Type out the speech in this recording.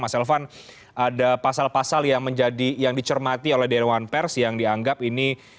mas elvan ada pasal pasal yang dicermati oleh dewan pers yang dianggap ini